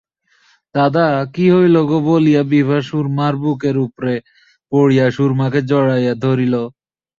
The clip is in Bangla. দাদা, কী হইল গো বলিয়া বিভা সুরমার বুকের উপরে পড়িয়া সুরমাকে জড়াইয়া ধরিল।